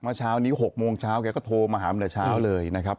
เมื่อเช้านี้๖โมงเช้าแกก็โทรมาหาตั้งแต่เช้าเลยนะครับ